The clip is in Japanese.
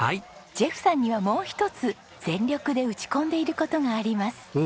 ジェフさんにはもう一つ全力で打ち込んでいる事があります。